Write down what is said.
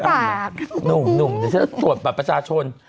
อ้าวนุ่มสวดประชาชน